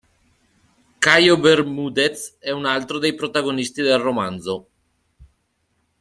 Cayo Bermúdez è un altro dei protagonisti del romanzo.